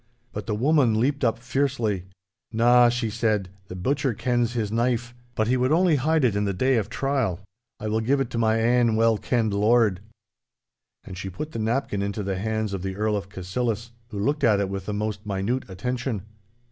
But the woman leaped up fiercely. 'Na,' she said; 'the butcher kens his knife; but he would only hide it in the day of trial. I will give it to my ain well kenned lord.' And she put the napkin into the hands of the Earl of Cassillis, who looked at it with the most minute attention.